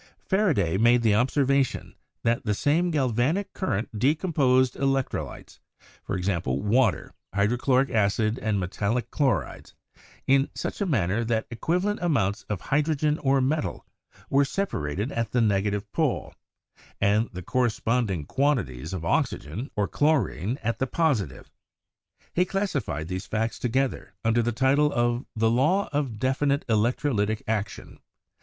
Faraday made the observation that the same galvanic current decomposed electrolytes—^., water, hydrochloric acid and metallic chlorides — in such a manner that equiva lent amounts of hydrogen or metal were separated at the negative pole, and the corresponding quantities of oxygen or chlorine at the positive. He classified those facts to gether under the title of "The Law of definite Electro lytic Action."